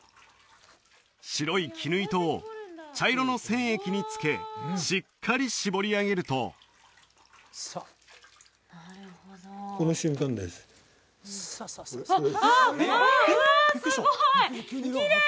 白い絹糸を茶色の染液につけしっかり絞り上げるとこの瞬間ですああうわうわ